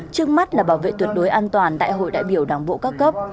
trước mắt là bảo vệ tuyệt đối an toàn tại hội đại biểu đảng bộ các cấp